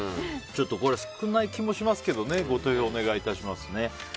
少ない気もしますけどご投票お願いいたしますね。